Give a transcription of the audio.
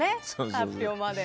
発表まで。